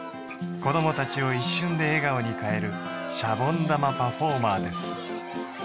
子供達を一瞬で笑顔に変えるシャボン玉パフォーマーです